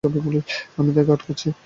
আমি তাকে আটকাচ্ছি।